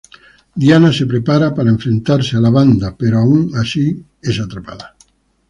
Diana se prepara para enfrentar a la banda pero aun así es atrapada.